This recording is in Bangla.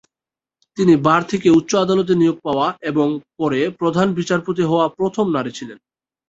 তিনি বার থেকে উচ্চ আদালতে নিয়োগ পাওয়া এবং পরে প্রধান বিচারপতি হওয়া প্রথম নারী ছিলেন।